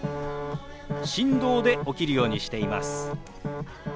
振動で起きるようにしています。